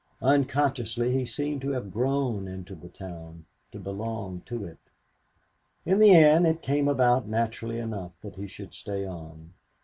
Unconsciously he seemed to have grown into the town, to belong to it. In the end it came about naturally enough that he should stay on.